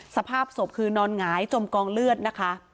สภาพศพคือนอนหงายจมกองเลือดนะคะ